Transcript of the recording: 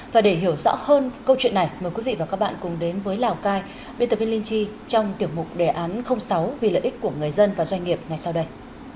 và để hiểu rõ hơn câu chuyện này mời quý vị và các bạn cùng đến với lào cai biên tập viên linh chi trong tiểu mục đề án sáu vì lợi ích của người dân và doanh nghiệp ngay sau đây